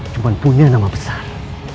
cuma punya nama besar